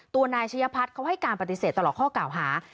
ตัวนายชัยพัฒน์เขาให้การปฏิเสธตลอดข้อกล่าวหา